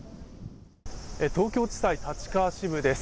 東京地裁立川支部です。